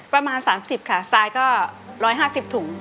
ประมาณ๓๐ค่ะทรายก็๑๕๐ถุง